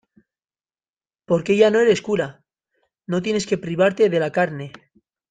porque ya no eres cura, no tienes que privarte de la carne.